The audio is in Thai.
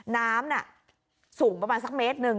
น้ำน่ะสูงประมาณสักเมตรหนึ่ง